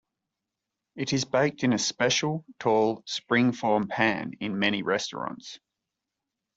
It is baked in a special tall springform pan in many restaurants.